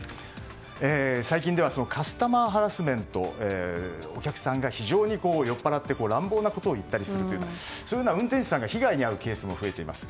最近ではカスタマーハラスメントお客さんが非常に酔っ払って乱暴なことを言ったりするというようなそういうのは運転手さんが被害に遭うケースも増えています。